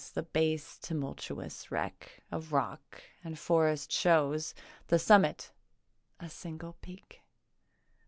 The base, tumultuous wreck Of rock and forest shows; The summit, a single peak.